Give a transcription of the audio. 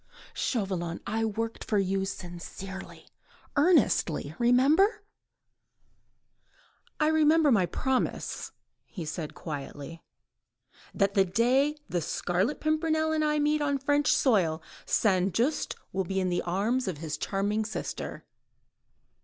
"Chauvelin, I worked for you, sincerely, earnestly ... remember. ..." "I remember my promise," he said quietly; "the day that the Scarlet Pimpernel and I meet on French soil, St. Just will be in the arms of his charming sister."